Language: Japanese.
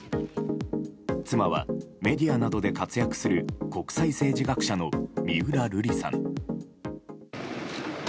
妻は、メディアなどで活躍する国際政治学者の三浦瑠麗さん。